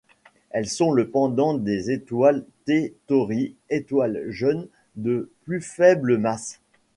Elles sont le pendant des étoiles T Tauri, étoiles jeunes de plus faible masse.